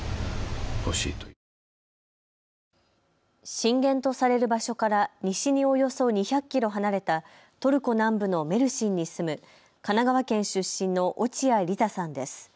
震源とされる場所から西におよそ２００キロ離れたトルコ南部のメルシンに住む神奈川県出身の落合リザさんです。